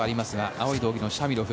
青い道着のシャミロフ。